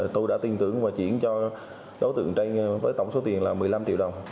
tôi đã tin tưởng và chuyển cho đối tượng tranh với tổng số tiền là một mươi năm triệu đồng